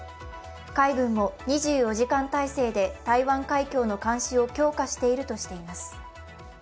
海軍も２４時間態勢で台湾海峡の監視を強化しているとしています。